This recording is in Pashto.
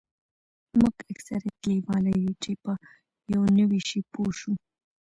موږ اکثریت لیواله یوو چې په یو نوي شي پوه شو